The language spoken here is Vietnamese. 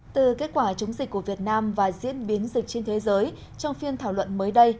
từ kết quả chống dịch của việt nam và diễn biến dịch trên thế giới trong phiên thảo luận mới đây